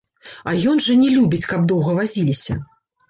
А ён жа не любіць, каб доўга вазіліся.